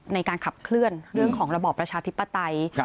ในการขับเคลื่อนเรื่องของระบอบประชาธิปไตย